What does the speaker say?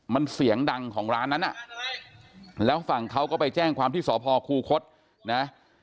มันเสียงดังของร้านนั้นอ่ะแล้วฝั่งเขาก็ไปแจ้งความที่สพคูคศนะ